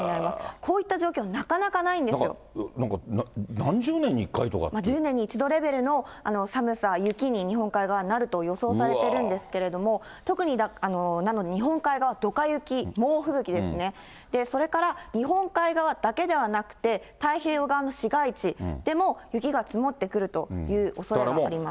こういった状況、なかなかないんなんか、１０年に１度レベルの寒さ、雪に、日本海側、なると予想されてるんですけれども、特になので日本海側はどか雪、猛吹雪ですね、それから日本海側だけではなくて、太平洋側の市街地でも雪が積もってくるというおそれがあります。